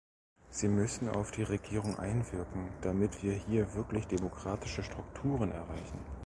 Sie müssen auf die Regierung einwirken, damit wir hier wirklich demokratische Strukturen erreichen.